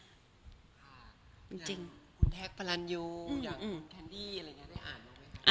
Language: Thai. อย่างคุณแท็กฟารัญโยอย่างคุณแคนดี้อะไรอย่างนี้ได้อ่านไหม